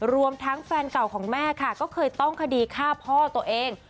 รวมทั้งแฟนเก่าของแม่ค่ะก็เคยต้องคดีฆ่าพ่อตัวเอง